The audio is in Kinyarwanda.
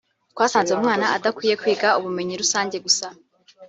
twasanze umwana adakwiye kwiga ubumenyi rusange gusa